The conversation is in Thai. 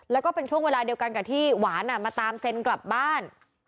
แล้วก็เป็นช่วงเวลาเดียวกันกับที่หวานมาตามเซ็นกลับบ้าน